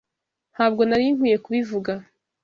Ntabwo nari nkwiye kubivuga